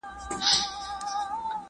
چـــــــي ښـــــه مـــــــــي ژړوې